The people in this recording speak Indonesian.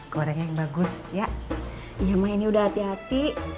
goreng yang bagus ya iya mah ini udah hati hati